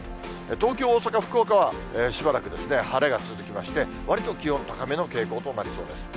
東京、大阪、福岡はしばらく晴れが続きまして、わりと気温高めの傾向となりそうです。